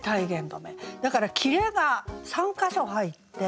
だから切れが３か所入って。